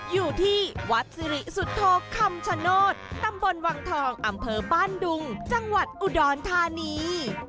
อยู่ที่วัดสิริสุทธโธคำชโนธตำบลวังทองอำเภอบ้านดุงจังหวัดอุดรธานี